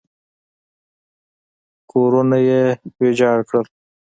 کورونه یې ویجاړ کړل.